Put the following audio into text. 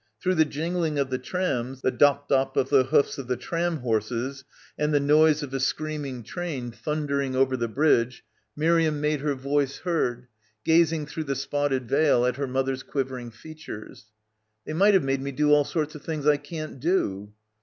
Through the jingling of the trams, the dop dop of the hoofs of the tram horses and the noise of a screaming train thundering over the bridge, Miriam made her voice heard, gazing through the spotted veil at her mother's quivering features. — 14 —. BACKWATER "They might have made me do all sorts of things I can't do."